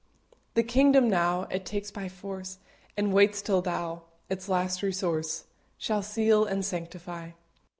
The kingdom now It takes by force, And waits till Thou, Its last resource, Shall seal and sanctify.